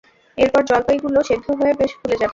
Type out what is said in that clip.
এরপর জলপাইগুলো সেদ্ধ হয়ে বেশ ফুলে যাবে।